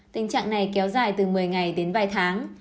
tình trạng này kéo dài từ một mươi ngày đến vài tháng